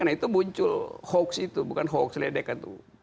nah itu muncul hoax itu bukan hoax ledekan